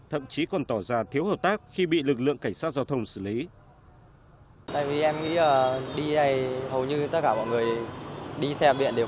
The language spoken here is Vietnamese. thậm chí còn tỏ ra thiếu hợp tác khi bị lực lượng cảnh sát giao thông xử lý